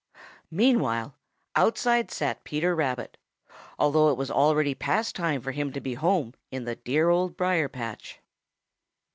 Meanwhile, outside sat Peter Rabbit, although it was already past time for him to be home in the dear Old Briar patch.